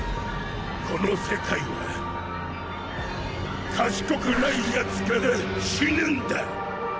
この世界は賢くないヤツから死ぬんだ。